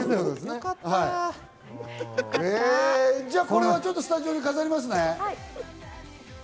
じゃあ、これはちょっとスタジオに飾りますね。